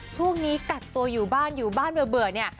ช่วงนี้กักตัวอยู่บ้านอยู่บ้านเบื่อเนี่ย